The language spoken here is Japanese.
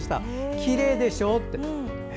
きれいでしょって。